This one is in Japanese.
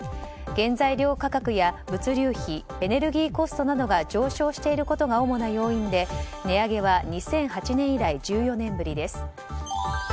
原材料価格や物流費、エネルギーコストなどが上昇していることが主な要因で値上げは２００８年以来１４年ぶりです。